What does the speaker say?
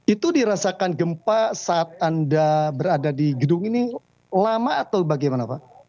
itu dirasakan gempa saat anda berada di gedung ini lama atau bagaimana pak